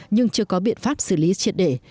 nhưng chưa có biện pháp xử lý triệt để